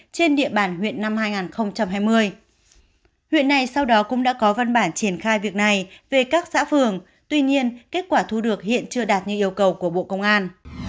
trên địa bàn huyện năm hai nghìn hai mươi huyện này sau đó cũng đã có văn bản triển khai việc này về các xã phường tuy nhiên kết quả thu được hiện chưa đạt như yêu cầu của bộ công an